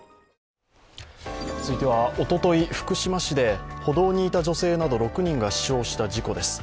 続いては、おととい、福島市で歩道にいた女性など６人が死傷した事故です。